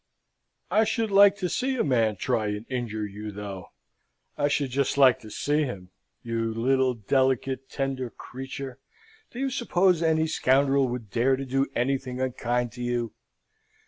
I should like to see a man try and injure you, though; I should just like to see him! You little, delicate, tender creature! Do you suppose any scoundrel would dare to do anything unkind to you?"